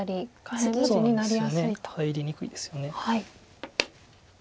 入りにくいですよね。